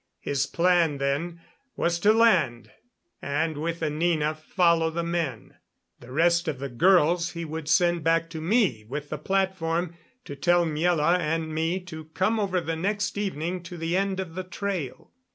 His plan, then, was to land, and with Anina follow the men. The rest of the girls he would send back to me with the platform, to tell Miela and me to come over the next evening to the end of the trail.